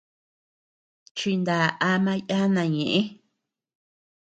Chiná ama yana ñeʼë.